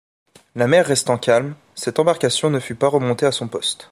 La mer restant calme, cette embarcation ne fut pas remontée à son poste.